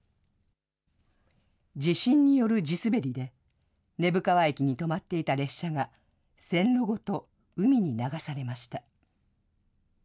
地震による地滑りで根府川駅に止まっていた列車が、線路ごと海に流されました。